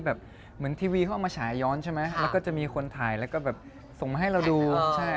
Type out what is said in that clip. ได้เจอไหมโฟกัสแจ๊คแฟนฉันแล้วต่างมากมาย